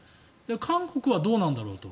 韓国はどうなんだろうと。